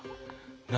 何？